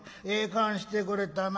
燗してくれたな。